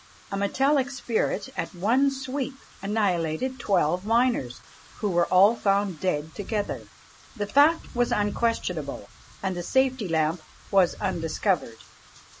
A metallic spirit at one sweep annihilated twelve miners, who were all found dead together. The fact was unquestionable; and the safety lamp was undiscovered.